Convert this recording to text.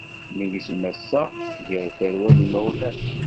Negzem assaɣ gar tarwa d yimawlan.